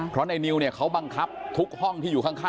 เพราะนัยนิวเขาบังคับทุกห้องที่อยู่ข้าง